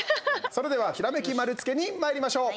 それでは、ひらめき丸つけにまいりましょう。